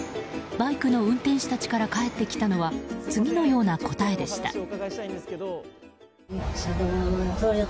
バイクの運転手たちから返ってきたのは次のような答えでした。